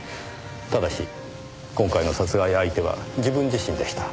ただし今回の殺害相手は自分自身でした。